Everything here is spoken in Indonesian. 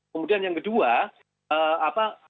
kemudian yang kedua